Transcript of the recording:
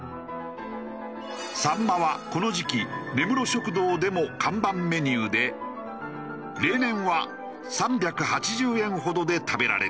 サンマはこの時期根室食堂でも看板メニューで例年は３８０円ほどで食べられる。